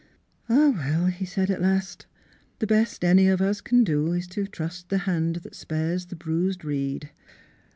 '' Ah, well! " he said at last; " the best any of us can do is to trust the hand that spares the bruised reed.